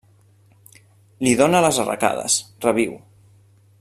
Li dóna les arracades: reviu.